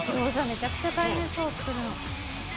めちゃくちゃ大変そう作るの。